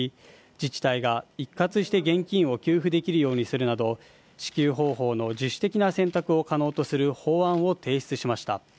自治体が一括して現金を給付できるようにするなど支給方法の自主的な選択を可能とする法案を提出しました